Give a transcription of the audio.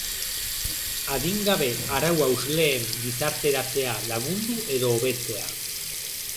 Adingabe arau-hausleen gizarteratzea lagundu edo hobetzea.